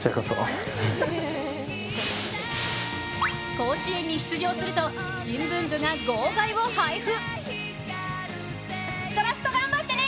甲子園に出場すると、新聞部が号外を配布。